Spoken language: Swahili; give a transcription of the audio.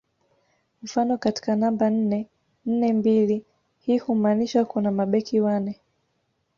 Mfano katika namba nne nne mbili hii humaanisha kuna mabeki wane